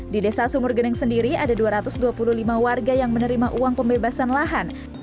di desa sumur geneng sendiri ada dua ratus dua puluh lima warga yang menerima uang pembebasan lahan